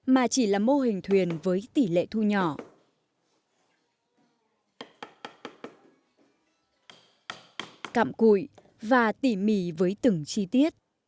mà chỉ là mô hình thuyền với tỷ lệ thu nhỏ cạm cụi và tỉ mỉ với từng chi tiết